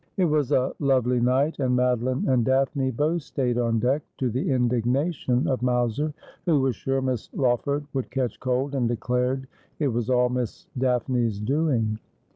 It was a lovely night, and Madoline and Daphne both stayed on deck, to the indignation of Mowser, who was sure Miss Law ford would catch cold, and declared it was all Miss Daphne's doing.